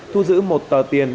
thu giữ một tờ tiền